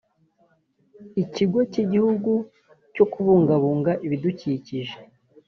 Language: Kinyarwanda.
ikigo cy igihugu cyo kubungabunga ibidukikije